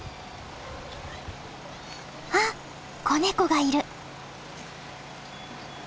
あっ子ネコがいる！